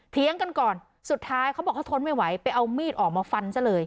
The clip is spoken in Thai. กันก่อนสุดท้ายเขาบอกเขาทนไม่ไหวไปเอามีดออกมาฟันซะเลย